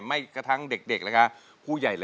ไม่กระทั้งเด็กนะคะผู้ใหญ่